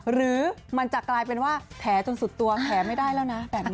หรือมันจะกลายเป็นว่าแผลจนสุดตัวแผลไม่ได้แล้วนะแบบนี้